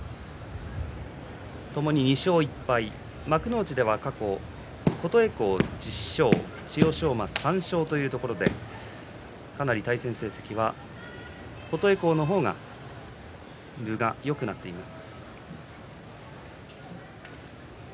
ともに２勝１敗、幕内では過去琴恵光１０勝千代翔馬３勝というところでかなり対戦成績は琴恵光の方が分がよくなっています。